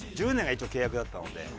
１０年が一応契約だったので。